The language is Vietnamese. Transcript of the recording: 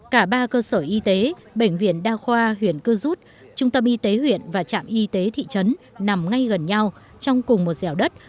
cả ba cơ sở y tế bệnh viện đa khoa huyện cơ rút trung tâm y tế huyện và trạm y tế thị trấn nằm ngay gần nhau trong cùng một dẻo đất